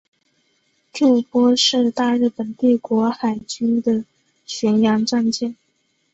筑波是大日本帝国海军的巡洋战舰。